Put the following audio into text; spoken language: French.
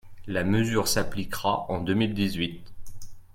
La mesure s’appliquera en deux mille dix-huit